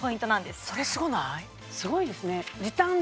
すごいですね